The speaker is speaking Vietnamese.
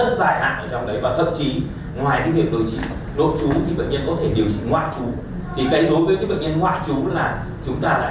thì đối với cái bệnh nhân ngoại chú là chúng ta lại cả không kiểm soát được